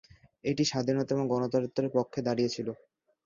এটি স্বাধীনতা এবং গণতন্ত্রের পক্ষে দাঁড়িয়েছিল।